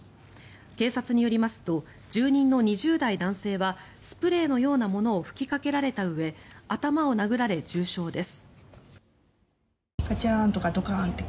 警察によりますと住人の２０代男性はスプレーのようなものを吹きかけられたうえ頭を殴られ、重傷です。